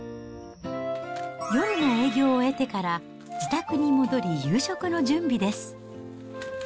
夜の営業を終えてから、自宅に戻り、夕食の準備です。